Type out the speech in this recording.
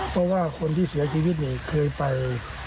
เพราะว่าคนที่เสียชีวิตเนี่ยเคยไป